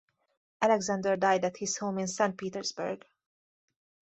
Alexander died at his home in Saint Petersburg.